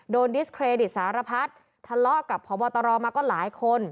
ดิสเครดิตสารพัดทะเลาะกับพบตรมาก็หลายคน